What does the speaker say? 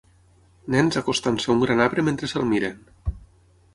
Nens acostant-se a un gran arbre mentre se'l miren.